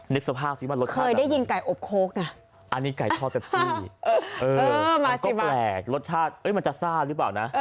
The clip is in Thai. นึกสภาพสิมัติรสชาติอ่ะอันนี้ไก่ทอดเปปซี่มันก็แปลกรสชาติมันจะซ่าหรือเปล่านะ